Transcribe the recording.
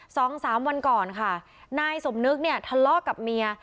สองสามวันก่อนค่ะนายสมนึกเนี่ยทะเลาะกับเมีย